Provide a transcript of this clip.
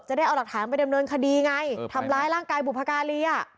จะได้เอาหลักฐานไปดำเนินคดีไงทำร้ายร่างกายเปรียบประกาศ